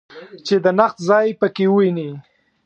چې د نقد ځای په کې وویني.